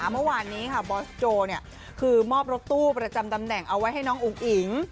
เมื่อวานนี้ค่ะบอสโจคือมอบรถตู้ประจำตำแหน่งเอาไว้ให้น้องอุ๋งอิ๋ง